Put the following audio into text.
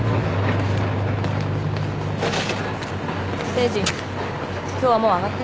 誠治今日はもう上がって。